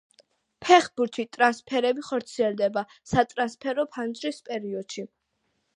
ფეხბურთში ტრანსფერები ხორციელდება სატრანსფერო ფანჯრის პერიოდში.